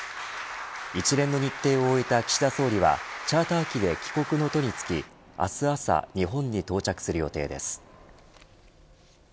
一連の日程を終えた岸田総理はチャーター機で帰国の途に就き明日朝日本に到着する予定です。